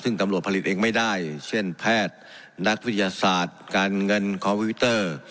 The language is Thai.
ซึ่งตำรวจผลิตเองไม่ได้เช่นแพทย์นักวิทยาศาสตร์การเงินคอมพิวเตอร์